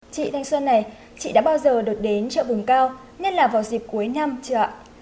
chị thanh xuân này chị đã bao giờ được đến chợ vùng cao nhất là vào dịp cuối năm chưa ạ